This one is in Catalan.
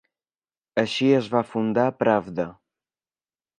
Així, es va fundar "Pravda".